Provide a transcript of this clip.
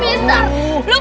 iya aku tahu